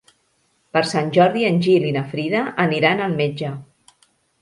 Per Sant Jordi en Gil i na Frida aniran al metge.